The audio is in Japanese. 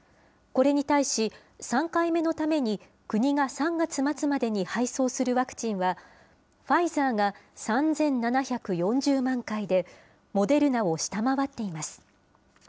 これに対し、３回目のために国が３月末までに配送するワクチンは、ファイザーが３７４０万回で、モデルナを下回っています。